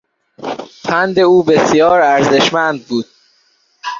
پند او بسیار ارزشمند بود.